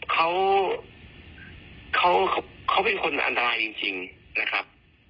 เขาเขาเป็นคนอันตรายจริงนะครับ